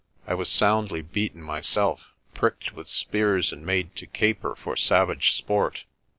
I was soundly beaten myself, pricked with spears, and made to caper for savage sport.